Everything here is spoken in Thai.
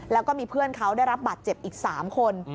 แล้วก็มีเพื่อนเขาได้รับบาดเจ็บอีก๓คน